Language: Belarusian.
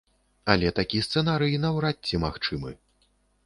Але такі сцэнарый, наўрад ці магчымы.